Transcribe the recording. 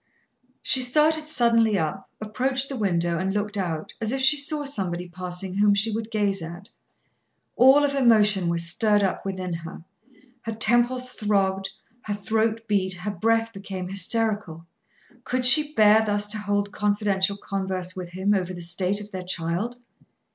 She started suddenly up, approached the window, and looked out, as if she saw somebody passing whom she would gaze at. All of emotion was stirred up within her her temples throbbed, her throat beat, her breath became hysterical. Could she bear thus to hold confidential converse with him over the state of their child?